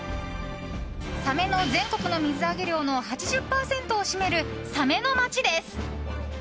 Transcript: サメの全国の水揚げ量の８０％を占めるサメの街です。